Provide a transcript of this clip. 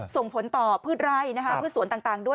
ส่งผลต่อพืชไร่พืชสวนต่างด้วย